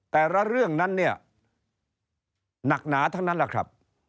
แต่ละเรื่องนั้นเนี่ยหนักหนาทั้งนั้นแหละครับ